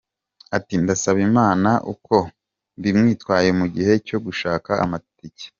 Ati "Ndabashimira uko mwitwaye mu gihe cyo gushaka amatike.